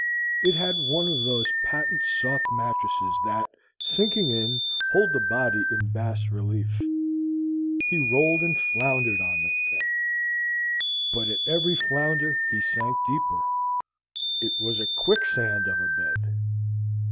It had one of those patent soft mattresses that, sinking in, hold the body in bas relief. He rolled and floundered on the thing, but at every flounder he sank deeper. It was a quicksand of a bed.